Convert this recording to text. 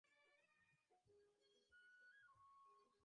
বরং অপরাধিনীকে গাধার পিঠে লেজের দিকে মুখ করিয়া বসাইয়া রাস্তায় ঘুরান হয়।